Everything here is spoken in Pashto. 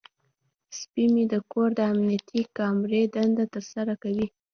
سپی مې د کور د امنیتي کامرې دنده ترسره کوي.